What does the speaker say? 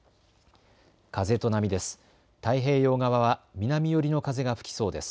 風と波です。